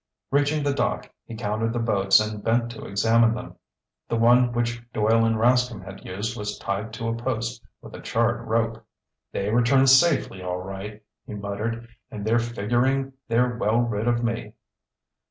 Reaching the dock, he counted the boats and bent to examine them. The one which Doyle and Rascomb had used was tied to a post with a charred rope. "They returned safely, all right," he muttered, "and they're figuring they're well rid of me!"